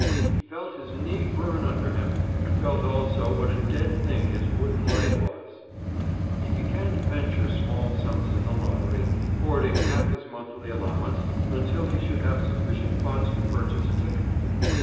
He felt his knee burn under him, and felt also what a dead thing his wooden leg was. He began to venture small sums in the lottery, hoarding half his monthly allowance until he should have sufficient funds to purchase a ticket.